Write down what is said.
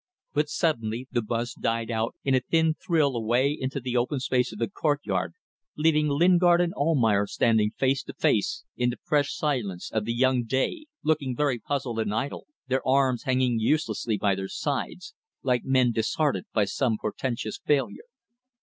But suddenly the buzz died out in a thin thrill away in the open space of the courtyard, leaving Lingard and Almayer standing face to face in the fresh silence of the young day, looking very puzzled and idle, their arms hanging uselessly by their sides like men disheartened by some portentous failure.